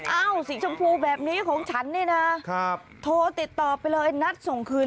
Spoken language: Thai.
สีชมพูแบบนี้ของฉันนี่นะโทรติดต่อไปเลยนัดส่งคืน